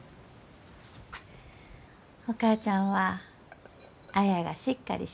お母ちゃんは綾がしっかりしゆうき